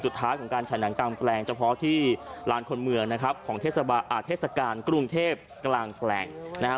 สุดท้ายของการฉายหนังกลางแปลงเฉพาะที่ลานคนเมืองนะครับของเทศกาลกรุงเทพกลางแปลงนะฮะ